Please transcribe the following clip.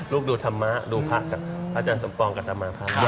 ลูกดูธรรมะดูพระจันทร์สมปรองกัตตามาภาพ